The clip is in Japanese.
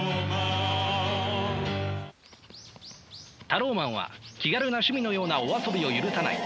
タローマンは気軽な趣味のようなお遊びを許さない。